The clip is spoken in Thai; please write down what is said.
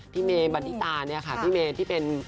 เมบันทิตาเนี่ยค่ะพี่เมย์ที่เป็น